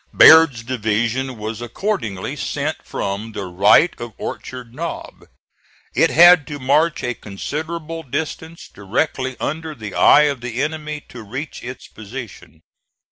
Baird's division was accordingly sent from the right of Orchard Knob. It had to march a considerable distance directly under the eye of the enemy to reach its position.